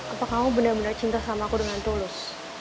apa kamu bener bener cinta sama aku dengan tulus